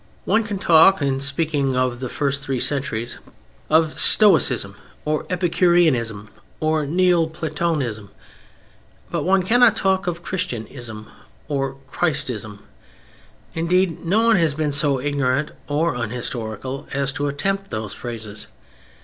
One can talk, in speaking of the first three centuries, of stoic_ism_, or epicurean_ism_, or neoplaton_ism_; but one cannot talk of "Christian_ism_" or "Christ_ism_." Indeed, no one has been so ignorant or unhistorical as to attempt those phrases.